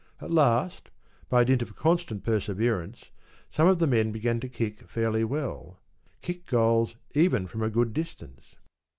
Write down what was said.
At last, by dint of constant perseverance, some of the men began to kick fairly well— kick goals even from a good distance.